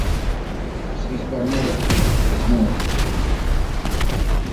Es vispār neatceros, kas notika.